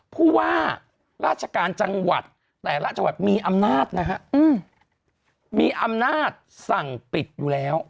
พ่อราชการจังหวัดแต่ราชการมีอำนาจมีอำนาจสั่งปิดอยู่แล้ว